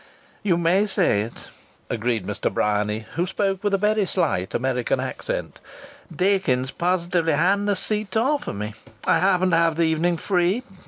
"You may say it!" agreed Mr. Bryany, who spoke with a very slight American accent. "Dakins positively hadn't a seat to offer me. I happened to have the evening free.